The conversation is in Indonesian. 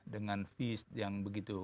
dengan fees yang begitu